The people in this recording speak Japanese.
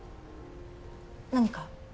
何か？